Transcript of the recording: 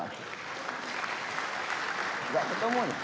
tidak ketemu ya